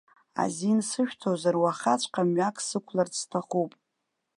Азин сышәҭозар, уахаҵәҟьа мҩак сықәларц сҭахуп.